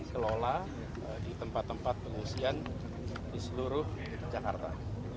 kelola di tempat tempat pengungsian di seluruh jakarta